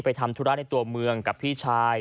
ทำธุระในตัวเมืองกับพี่ชาย